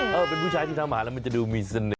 เป็นผู้ชายที่ทำอาหารมันจะดูมีเสน่ห์